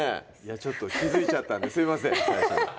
ちょっと気付いちゃったんですいません